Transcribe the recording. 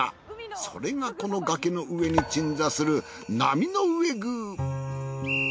それがこの崖の上に鎮座する波上宮。